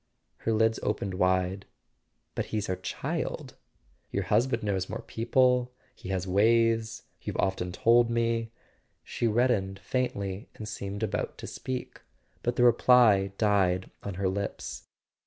Her lids opened wide. "But he's our child." "Your husband knows more people—he has ways, you've often told me " She reddened faintly and seemed about to speak; but the reply died on her lips.